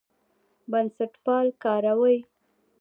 بنسټپال کاروي.